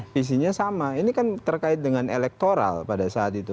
visinya sama ini kan terkait dengan elektoral pada saat itu